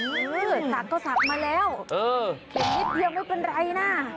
ฮือฉีดนิดเดียวไม่เป็นไรน่ะ